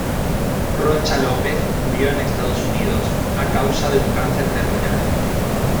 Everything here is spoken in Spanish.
Rocha López murió en Estados Unidos a causa de un cáncer terminal.